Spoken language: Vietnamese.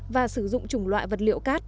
và sử dụng chủng loại vật liệu cát